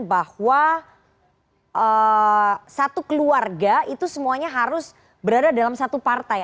bahwa satu keluarga itu semuanya harus berada dalam satu partai